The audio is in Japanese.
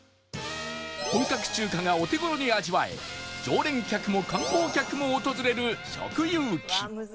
本格中華がお手頃に味わえ常連客も観光客も訪れる食遊記